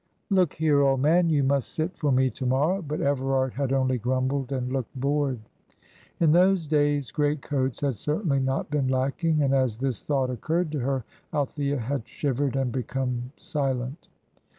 Look here, old man, you must sit for me to morrow." But Everard had only grumbled and looked bored. In those days great coats had certainly not been lacking. And as this thought occurred to her, Althea had shivered and become silent.